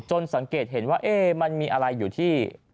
สังเกตเห็นว่ามันมีอะไรอยู่ที่